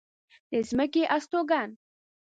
د ځمکې استوگن